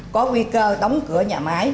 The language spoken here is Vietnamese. có nguy cơ đóng cửa nhà máy